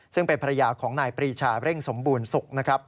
ซึ่งเป็นภรรยาของนายปรีชาเร่งสมบูรณสุขนะครับ